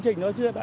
của nhà nước chưa